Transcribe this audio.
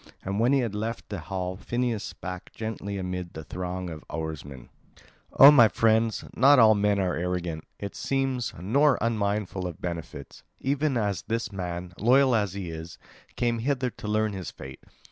And when he had left the hall Phineus spake gently amid the throng of oarsmen: "O my friends, not all men are arrogant, it seems, nor unmindful of benefits. Even as this man, loyal as he is, came hither to learn his fate.